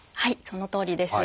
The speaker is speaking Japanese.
そのとおりです。